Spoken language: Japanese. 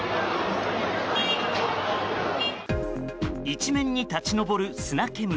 一面に立ち上る砂煙。